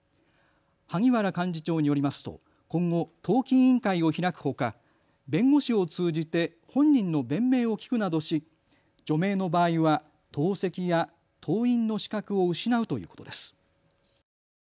萩原幹事長によりますと今後、党紀委員会を開くほか弁護士を通じて本人の弁明を聞くなどし除名の場合は党籍や党員の資格を失うということです。